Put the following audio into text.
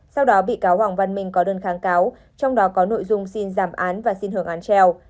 sau đó bị cáo hoàng văn minh có đơn kháng cáo trong đó có nội dung xin giảm án và xin hưởng án treo